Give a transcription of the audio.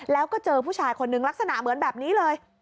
แล้วก็เจอผู้ชายคนนึงลักษณะเหมือนแบบนี้เลย